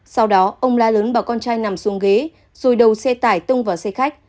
sau đó ông lá lớn bảo con trai nằm xuống ghế rồi đầu xe tải tung vào xe khách